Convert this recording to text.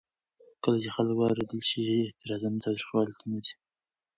کله چې خلک واورېدل شي، اعتراضونه تاوتریخوالي ته نه ځي.